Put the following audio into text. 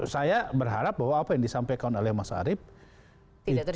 saya berharap bahwa apa yang disampaikan oleh mas arief